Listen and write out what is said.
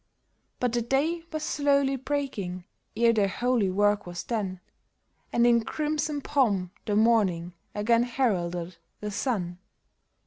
But the day was slowly breaking ere their holy work was done, And in crimson pomp the morning again heralded the sun.